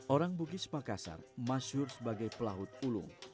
orang bugis pakasar masyur sebagai pelahut ulung